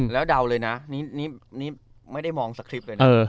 แล้วเดาเลยนะนี่ไม่ได้มองสคริปต์เลยนะ